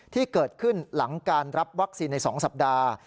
ที่เกิดขึ้นหลังการรับวัคซีนใน๒สัปดาห์